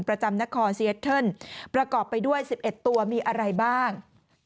ประจำนครซีเอสเทิร์นประกอบไปด้วย๑๑ตัวมีอะไรบ้าง